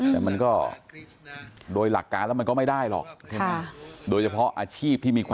แต่มันก็โดยหลักการแล้วมันก็ไม่ได้หรอก